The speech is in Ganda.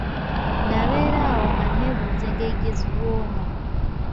Nabeera awo nga neebuuza engeri gye ziwooma.